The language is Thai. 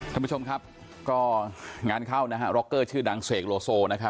ท่านผู้ชมครับก็งานเข้านะฮะร็อกเกอร์ชื่อดังเสกโลโซนะครับ